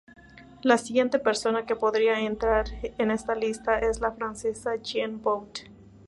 La siguiente persona que podría entrar en esta lista es la francesa Jeanne Bot.